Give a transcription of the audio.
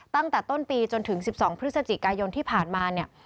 ตั้งแต่ต้นปีจนถึง๑๒พฤศจิกายนที่ผ่านมาเนี่ย